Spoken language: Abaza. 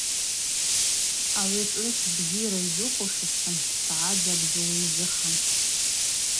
Агӏвычӏвгӏвыс бзира йзухушызтын дъадзабзу йзыха.